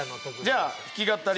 じゃあ弾き語り